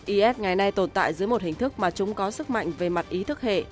is ngày nay tồn tại dưới một hình thức mà chúng có sức mạnh về mặt ý thức hệ